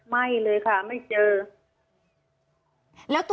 ไม่เลยค่ะไม่เจอ